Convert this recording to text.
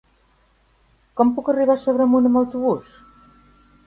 Com puc arribar a Sobremunt amb autobús?